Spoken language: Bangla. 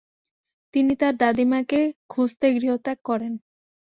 তিনি তার দাদীমাকে খুঁজতে গৃহত্যাগ করেন।